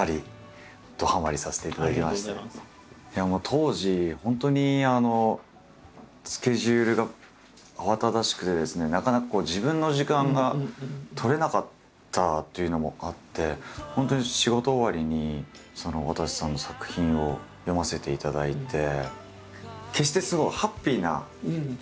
当時本当にスケジュールが慌ただしくてですねなかなか自分の時間が取れなかったというのもあって本当に仕事終わりにわたせさんの作品を読ませていただいて。